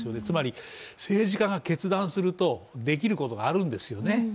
つまり、政治家が決断するとできることがあるんですよね。